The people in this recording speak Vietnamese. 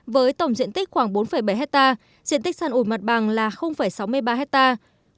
với tổng diện tích khoảng bốn bảy hectare diện tích sàn ủi mặt bằng là sáu mươi ba hectare